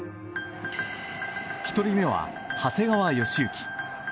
１人目は、長谷川祥之。